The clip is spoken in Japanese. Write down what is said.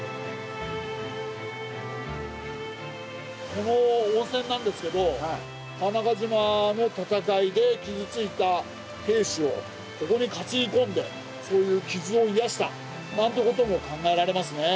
この温泉なんですけど川中島の戦いで傷ついた兵士をここに担ぎ込んでそういう傷を癒やしたなんてことも考えられますね。